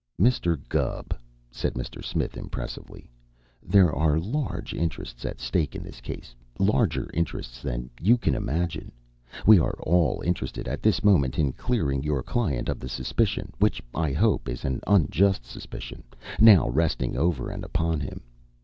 "Mr. Gubb," said Mr. Smith impressively "there are large interests at stake in this case. Larger interests than you imagine. We are all interested at this moment in clearing your client of the suspicion which I hope is an unjust suspicion now resting over and upon him.